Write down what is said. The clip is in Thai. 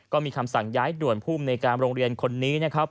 ก็มีคำสั่งย้ายด่วนภูมิในการโรงเรียนคนนี้นะครับ